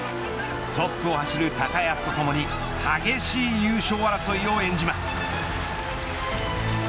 トップを走る高安とともに激しい優勝争いを演じます。